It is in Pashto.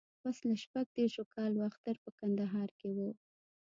پسله شپږ دیرشو کالو اختر په کندهار کې و.